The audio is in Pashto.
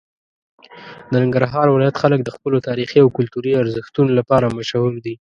د ننګرهار ولایت خلک د خپلو تاریخي او کلتوري ارزښتونو لپاره مشهور دي.